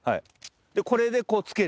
これでこうつける。